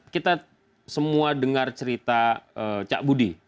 kita semua dengar cerita cak budi